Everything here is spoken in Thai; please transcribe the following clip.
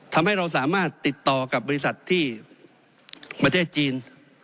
ทำให้เราสามารถติดต่อกับบริษัทที่ประเทศจีน